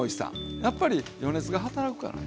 やっぱり余熱が働くからね。